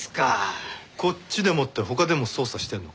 「こっちでも」って他でも捜査してるのか？